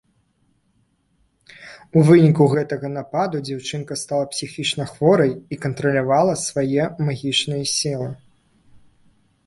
У выніку гэтага нападу дзяўчынка стала псіхічнахворай і кантралявала сваё магічныя сілы.